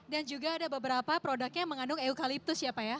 dan juga ada beberapa produknya yang mengandung eukaliptus ya pak ya